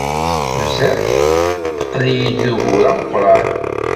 Tuzert teqqel-iyi d ugur ameqran.